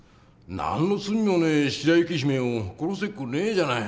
何の罪もねえ白雪姫を殺せっこねえじゃない。